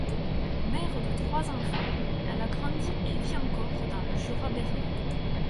Mère de trois enfants, elle a grandi et vit encore dans le Jura Bernois.